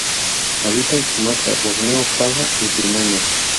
Habita en Sumatra, Borneo, Java y Birmania.